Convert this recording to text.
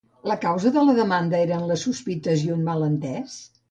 La causa de la demanda eren les sospites i un malentès?